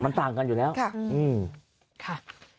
มันต่างกันอยู่แล้วค่ะอืมค่ะ